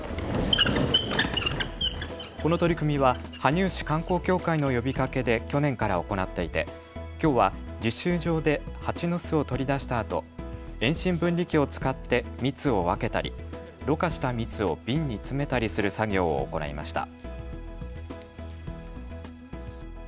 この取り組みは羽生市観光協会の呼びかけで去年から行っていてきょうは実習場で蜂の巣を取り出したあと遠心分離機を使って蜜を分けたりろ過した蜜を瓶に詰めたりする作業を行いました。